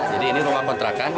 jadi ini rumah kontrakan